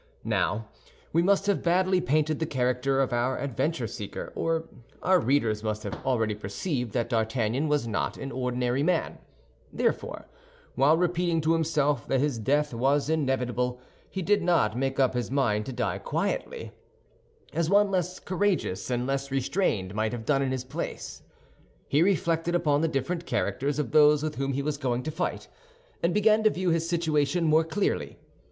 Now, we must have badly painted the character of our adventure seeker, or our readers must have already perceived that D'Artagnan was not an ordinary man; therefore, while repeating to himself that his death was inevitable, he did not make up his mind to die quietly, as one less courageous and less restrained might have done in his place. He reflected upon the different characters of those with whom he was going to fight, and began to view his situation more clearly.